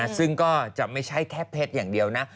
ซึ่งก็จะไม่ใช่แค่เพชรอย่างเดียวนะ